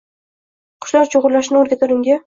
qushlar chugʼurlashni oʼrgatar unga